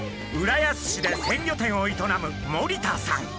浦安市で鮮魚店を営む森田さん。